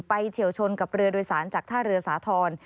เฉียวชนกับเรือโดยสารจากท่าเรือสาธรณ์